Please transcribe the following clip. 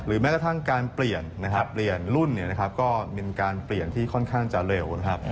หรือแม้กระทั่งการเปลี่ยนรุ่นก็เป็นการเปลี่ยนที่ค่อนข้างจะเร็วนะครับ